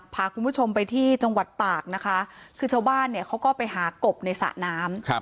พาคุณผู้ชมไปที่จังหวัดตากนะคะคือชาวบ้านเนี่ยเขาก็ไปหากบในสระน้ำ